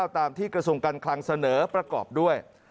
ตามที่กระทรวงการคลังเสนอประกอบด้วย